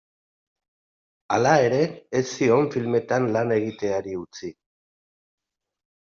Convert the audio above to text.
Hala ere, ez zion filmetan lan egiteari utzi.